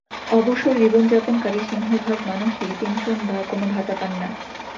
অবসর জীবন যাপনকারী সিংহভাগ মানুষই পেনশন বা কোনো ভাতা পান না।